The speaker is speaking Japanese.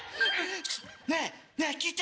ねぇねぇ聞いて。